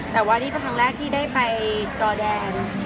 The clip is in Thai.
แต่ว่านี่เป็นครั้งแรกที่ได้ไปจอแดง